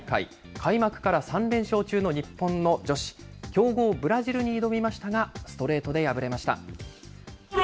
開幕から３連勝中の日本の女子、強豪ブラジルに挑みましたが、ストレートで敗れました。